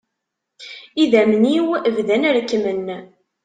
Idammen-iw bdan rekkmen.